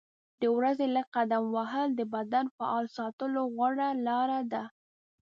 د ورځې لږ قدم وهل د بدن فعال ساتلو غوره لاره ده.